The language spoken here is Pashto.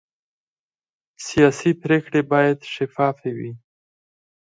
سیاسي پرېکړې باید شفافې وي